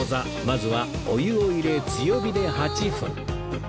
まずはお湯を入れ強火で８分